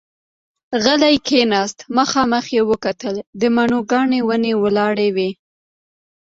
غلی کېناست، مخامخ يې وکتل، د مڼو ګنې ونې ولاړې وې.